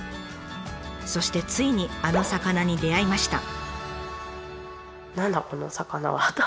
そしてついにあの魚に出会いました。